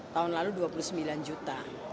tahun lalu dua puluh sembilan juta